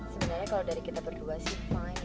sebenernya kalau dari kita berdua sih fine